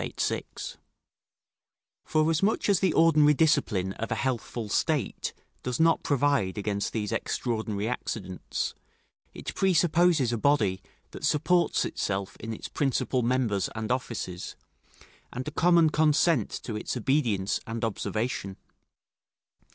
] forasmuch as the ordinary discipline of a healthful state does not provide against these extraordinary accidents; it presupposes a body that supports itself in its principal members and offices, and a common consent to its obedience and observation.